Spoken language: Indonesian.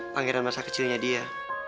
pangeran masa kecilnya dia